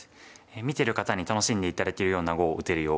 見てる方に楽しんで頂けるような碁を打てるよう頑張ります。